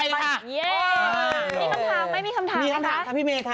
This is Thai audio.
มีคำถามไม่มีคำถามมีคำถามค่ะพี่เมย์ค่ะ